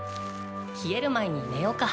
冷える前に寝ようか。